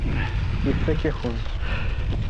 Ifakk-akent-t.